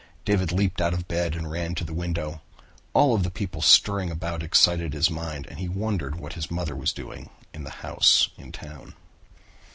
David leaped out of bed and ran to a window. All of the people stirring about excited his mind, and he wondered what his mother was doing in the house in town.